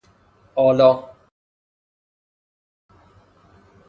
ئالا